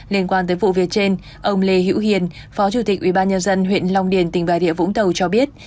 liên quan tới vụ việc trên ông lê hữu hiền phó chủ tịch ubnd huyện long điền tỉnh bà rịa vũng tàu cho biết